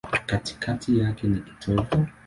Katikati yake ni kitovu.